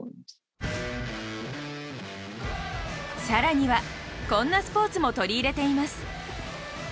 更には、こんなスポーツも取り入れています。